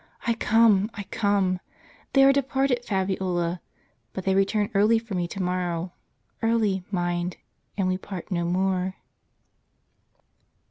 I come! I come! — They are departed, Fabiola; but they return early for me to morrow ; early, mind, and we part no more."